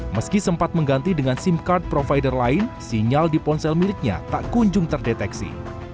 meski sempat mengganti dengan sim card provider lain sinyal di ponsel miliknya tak kunjung terdeteksi